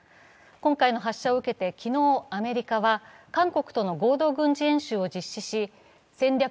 今回の発射を受けて、昨日アメリカは韓国との合同軍事演習を実施し戦略